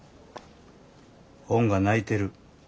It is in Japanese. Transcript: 本が泣いてる。